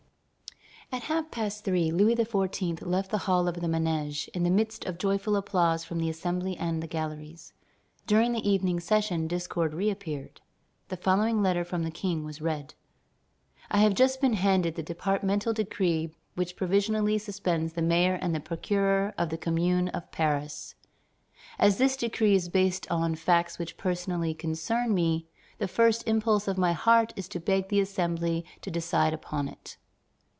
At half past three Louis XVI. left the Hall of the Manège, in the midst of joyful applause from the Assembly and the galleries. During the evening session discord reappeared. The following letter from the King was read: "I have just been handed the departmental decree which provisionally suspends the mayor and the procureur of the Commune of Paris. As this decree is based on facts which personally concern me, the first impulse of my heart is to beg the Assembly to decide upon it."